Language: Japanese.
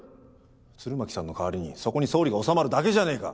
鶴巻さんの代わりにそこに総理が収まるだけじゃねぇか！